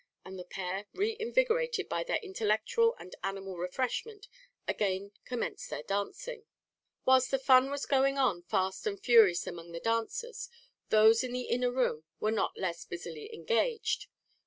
and the pair, re invigorated by their intellectual and animal refreshment, again commenced their dancing. Whilst the fun was going on fast and furious among the dancers, those in the inner room were not less busily engaged.